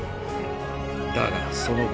だが、その後。